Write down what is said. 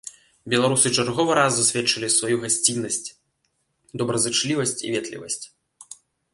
Беларусы чарговы раз засведчылі сваю гасціннасць, добразычлівасць і ветлівасць!